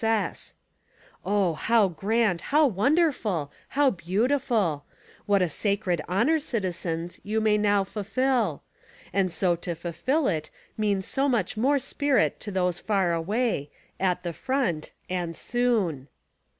S. S." Oh ! how grand, how wonderful, how beautiful ; what a sacred honor, citizens, you may now fulfill ; and to so fill it means so much more spirit to those far away — at the front ; and soon.